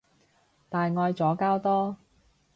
大愛左膠多